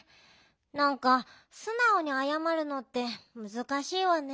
なんかすなおにあやまるのってむずかしいわね。